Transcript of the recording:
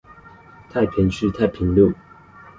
太平區太平路